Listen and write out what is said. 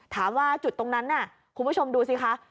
ถามว่าจุดตรงนั้นน่ะคุณผู้ชมดูสิคะ